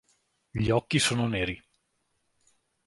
Gli occhi sono neri.